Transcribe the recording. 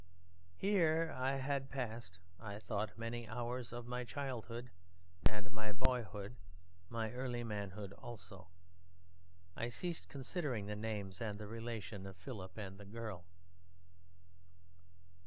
"Here I had passed (I thought) many hours of my childhood and my boyhood and my early manhood also. I ceased considering the names and the relation of Philip and the girl.